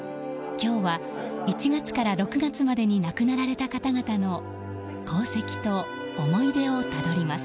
今日は、１月から６月までに亡くなられた方々の功績と思い出をたどります。